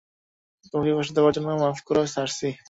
তোমাকে কষ্ট দেবার জন্য মাফ কোরো, সার্সি।